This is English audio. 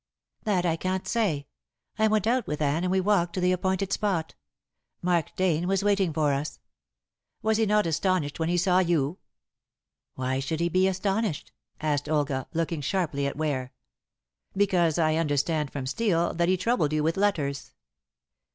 "That I can't say. I went out with Anne and we walked to the appointed spot. Mark Dane was waiting for us." "Was he not astonished when he saw you?" "Why should he be astonished?" asked Olga, looking sharply at Ware. "Because I understand from Steel that he troubled you with letters."